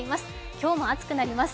今日も暑くなります。